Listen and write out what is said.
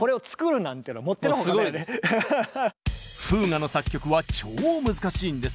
「フーガ」の作曲は超難しいんです。